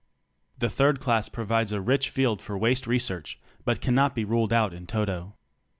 The third class provides a rich field for waste research, but cannot be ruled out in toto.